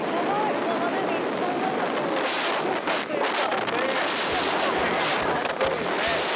今までで一番なんか多幸感というか。